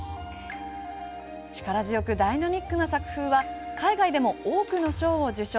力強くダイナミックな作風は海外でも多くの賞を受賞。